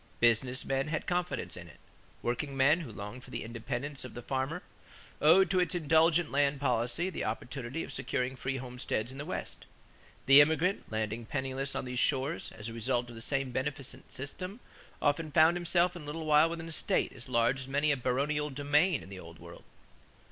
Business men had confidence in it. Workingmen, who longed for the independence of the farmer, owed to its indulgent land policy the opportunity of securing free homesteads in the West. The immigrant, landing penniless on these shores, as a result of the same beneficent system, often found himself in a little while with an estate as large as many a baronial domain in the Old World.